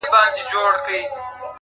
خو زه _